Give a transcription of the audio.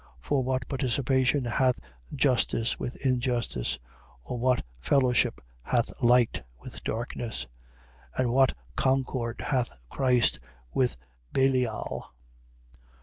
For what participation hath justice with injustice? Or what fellowship hath light with darkness? 6:15. And what concord hath Christ with Belial?